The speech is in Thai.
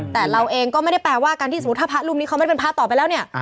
แต่เราเองก็ไม่ได้แปลว่าการที่สมมุติถ้าพระรูปนี้เขาไม่เป็นพระต่อไปแล้วเนี่ย